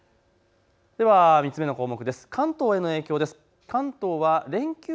では３つ目の項目